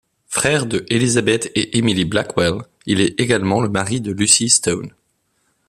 Frère de Elizabeth et Emily Blackwell, il est également le mari de Lucy Stone.